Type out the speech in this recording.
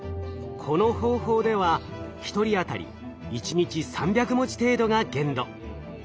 この方法では１人当たり一日３００文字程度が限度。